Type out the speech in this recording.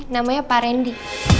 namanya pak randy